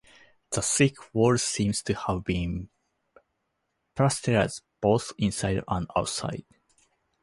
The thick walls seem to have been plastered both inside and outside.